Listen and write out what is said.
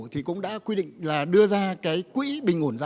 thì cũng đã quy định là đưa ra cái quỹ bình ổn giá